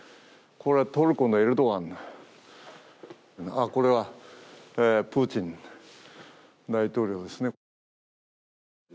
これはトルコのエルドアン、これはプーチン大統領ですね。